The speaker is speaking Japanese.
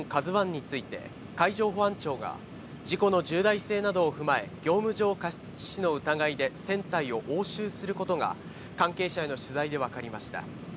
ＫＡＺＵＩについて、海上保安庁が、事故の重大性などを踏まえ、業務上過失致死の疑いで船体を押収することが関係者への取材で分かりました。